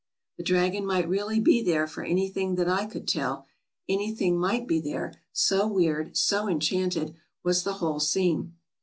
The dragon might really be there for anything that I could tell; anything might be there, so weird, so enchanted, was the whole scene.